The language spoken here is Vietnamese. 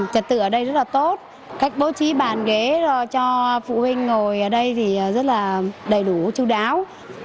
trật tự ở đây rất là tốt cách bố trí bàn ghế cho phụ huynh ngồi ở đây thì rất là đầy đủ chú đáo